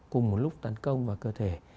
cùng một lúc tấn công vào cơ thể